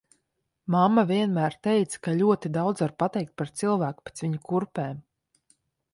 Mamma vienmēr teica, ka ļoti daudz var pateikt par cilvēku pēc viņa kurpēm.